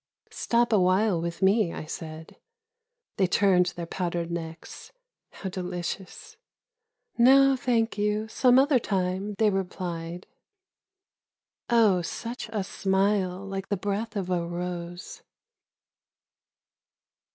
" Stop a while with me," I said. They turned their powdered necks. How delicious !" No, thank you, some other time," they replied. Oh, such a smile like the breath of a rose